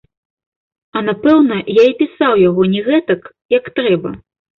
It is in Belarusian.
А напэўна я і пісаў яго не гэтак, як трэба.